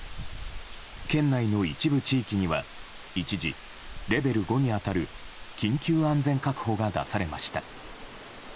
県内の一部地域には一時、レベル５に当たる緊急安全確保が出されました。